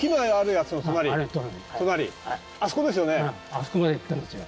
あそこまで行ったんですよ。